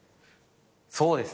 そうです。